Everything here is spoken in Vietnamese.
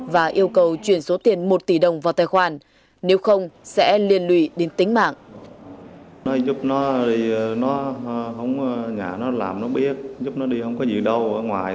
và yêu cầu chuyển số tiền một tỷ đồng vào tài khoản nếu không sẽ liên lụy đến tính mạng